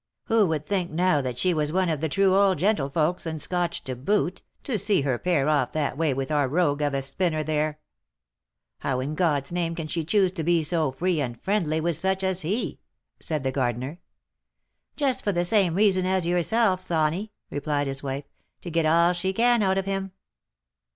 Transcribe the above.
" Who would think now that she was one of the true old gentlefolks, and Scotch to boot, to see her pair off that way with our rogue of a spinner there ? How, in God's name, can she choose to be so free and friendly with such as he?" said the gardener. " Just for the same reason as yourself, Sawny," replied his wife ;" to get all she can out of him."